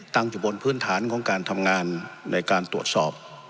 ตั้งอยู่บนพื้นฐานของการทำงานในการตรวจสอบ